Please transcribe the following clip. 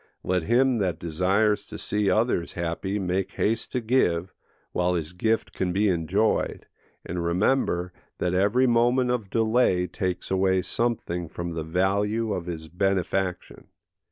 Let him that desires to see others happy make haste to give, while his gift can be enjoyed, and remember that every moment of delay takes away something from the value of his benefaction.